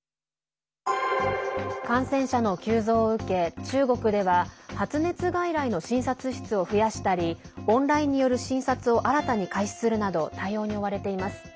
感染者の急増を受け、中国では発熱外来の診察室を増やしたりオンラインによる診察を新たに開始するなど対応に追われています。